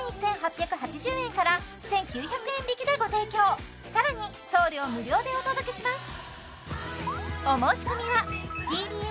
１万１８８０円から１９００円引きでご提供さらに送料無料でお届けします